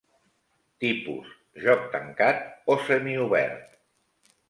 Tipus: Joc tancat o semiobert.